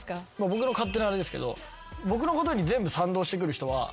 僕の勝手なあれですけど僕のことに全部賛同してくる人は無理だな。